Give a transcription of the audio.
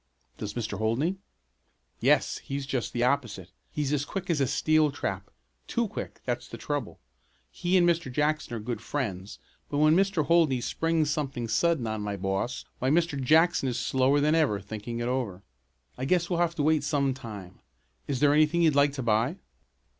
"Does Mr. Holdney?" "Yes, he's just the opposite. He's as quick as a steel trap. Too quick, that's the trouble. He and Mr. Jackson are good friends, but when Mr. Holdney springs something sudden on my boss, why Mr. Jackson is slower than ever, thinking it over. I guess you'll have to wait some time. Is there anything you'd like to buy?"